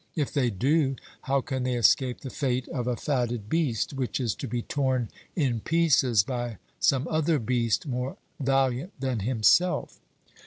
If they do, how can they escape the fate of a fatted beast, which is to be torn in pieces by some other beast more valiant than himself?